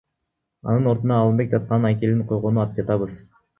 Анын ордуна Алымбек датканын айкелин койгону жатабыз.